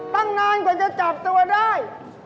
ตั้งนานกว่าจะจับตัวได้